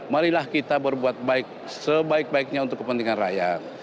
marilah kita berbuat baik sebaik baiknya untuk kepentingan rakyat